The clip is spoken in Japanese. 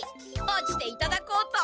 落ちていただこうと。